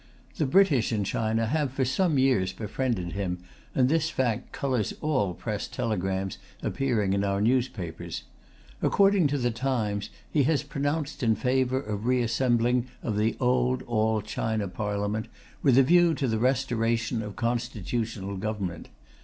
The British in China have, for some years, befriended him, and this fact colours all Press telegrams appearing in our newspapers. According to The Times, he has pronounced in favour of the reassembling of the old all China Parliament, with a view to the restoration of constitutional government.